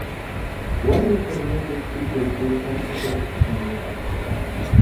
Warri kurnee Gibxii geggeessan ishee kuffisaniiru.